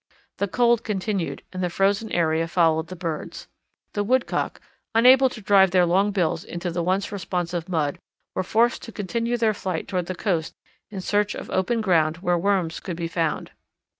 The cold continued and the frozen area followed the birds. The Woodcock, unable to drive their long bills into the once responsive mud, were forced to continue their flight toward the coast in search of open ground where worms could be found.